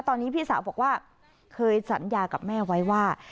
ตอนนี้พี่สาวบอกว่าเคยสัญญากับแม่ไว้ว่า